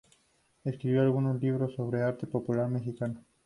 Escribió algunos libros sobre arte popular mexicano.